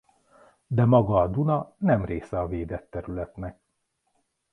De maga a Duna nem része a védett területnek.